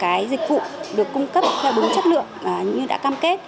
cái dịch vụ được cung cấp theo đúng chất lượng như đã cam kết